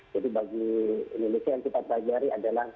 jadi bagi indonesia yang kita pelajari adalah